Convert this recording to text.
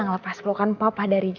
ngelepas pelukan papa dari